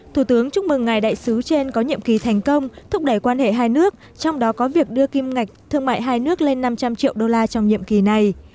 thủ tướng chúc mừng ngài đại sứ trên có nhiệm kỳ thành công thúc đẩy quan hệ hai nước trong đó có việc đưa kim ngạch thương mại hai nước lên năm trăm linh triệu đô la trong nhiệm kỳ này